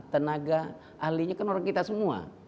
tenaga ahlinya kan orang kita semua